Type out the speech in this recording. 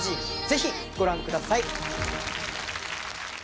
ぜひご覧ください